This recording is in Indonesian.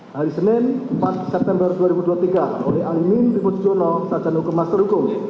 hari senin empat september dua ribu dua puluh tiga oleh alimin liputjono sajan hukum master hukum